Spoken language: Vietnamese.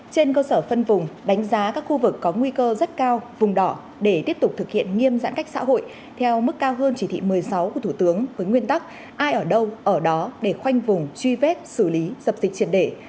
trên cơ sở phân vùng đánh giá các khu vực có nguy cơ rất cao vùng đỏ để tiếp tục thực hiện nghiêm giãn cách xã hội theo mức cao hơn chỉ thị một mươi sáu của thủ tướng với nguyên tắc ai ở đâu ở đó để khoanh vùng truy vết xử lý dập dịch triển đề